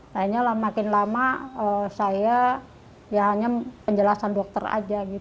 makanya makin lama saya hanya penjelasan dokter saja